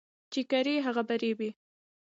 چي کرې، هغه به رېبې.